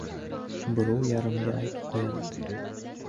Birov-yarimga aytib qo‘yadi.